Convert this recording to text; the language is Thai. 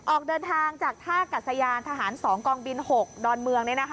ออกเดินทางจากท่ากัดสยานทหาร๒กองบิน๖ดอนเมือง